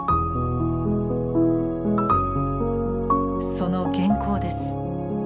その原稿です。